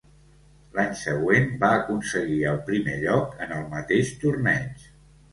L'any següent va aconseguir el primer lloc en el mateix torneig.